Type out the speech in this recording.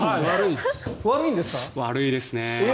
悪いですね。